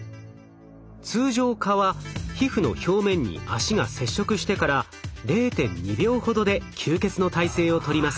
通常蚊は皮膚の表面に脚が接触してから０．２秒ほどで吸血の体勢をとります。